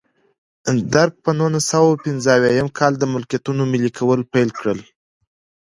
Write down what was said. درګ په نولس سوه پنځه اویا کال کې د ملکیتونو ملي کول پیل کړل.